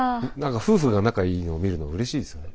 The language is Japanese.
夫婦が仲いいのを見るのうれしいですよね。